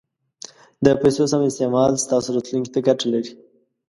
د پیسو سم استعمال ستاسو راتلونکي ته ګټه لري.